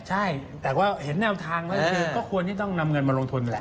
ใช่แต่ก็เห็นแนวทางแล้วคือก็ควรที่ต้องนำเงินมาลงทุนนั่นแหละ